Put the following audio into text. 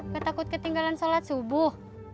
ketakut ketinggalan sholat subuh